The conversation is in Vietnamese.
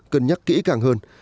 cân nhắc kỹ càng hơn